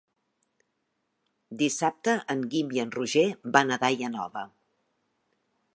Dissabte en Guim i en Roger van a Daia Nova.